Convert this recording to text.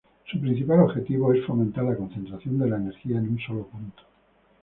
Su principal objetivo es fomentar la concentración de la energía en un solo punto".